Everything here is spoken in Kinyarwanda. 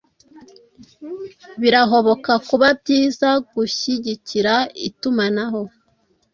Birahoboka kuba byiza guhyigikira itumanaho